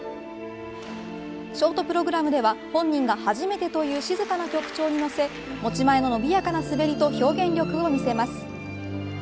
ショートプログラムでは本人が初めてという静かな曲長に乗せ持ち前の伸びやかな滑りと表現力を見せます。